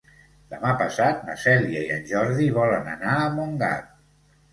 Demà passat na Cèlia i en Jordi volen anar a Montgat.